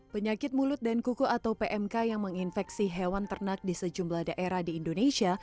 penyakit mulut dan kuku atau pmk yang menginfeksi hewan ternak di sejumlah daerah di indonesia